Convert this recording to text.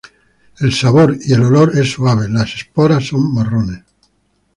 El sabor y el olor es suave, las esporas son marrones.